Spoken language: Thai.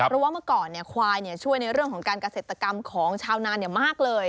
เพราะว่าเมื่อก่อนควายช่วยในเรื่องของการเกษตรกรรมของชาวนานมากเลย